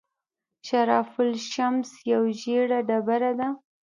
شرف الشمس یوه ژیړه ډبره ده.